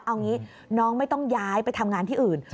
เอางี้น้องไม่ต้องย้ายไปทำงานที่อื่น